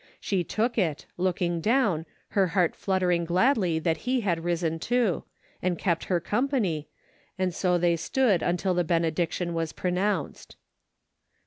She took it, looking down, her heart fluttering gladly that he had arisen too, and kept her company, and so they stood until the benediction was pronounced.